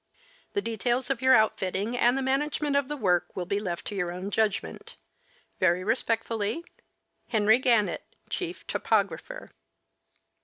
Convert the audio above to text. The details of your outfitting and the management gf the work will be left to your own judgment. Very respectfully, Henry Gannett, Chief Topographer.